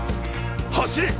走れ！